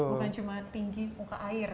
bukan cuma tinggi muka air